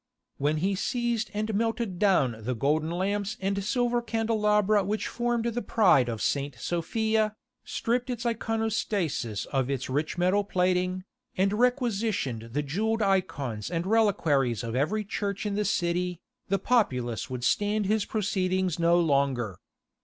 When he seized and melted down the golden lamps and silver candelabra which formed the pride of St. Sophia, stripped its eikonostasis of its rich metal plating, and requisitioned the jewelled eikons and reliquaries of every church in the city, the populace would stand his proceedings no longer.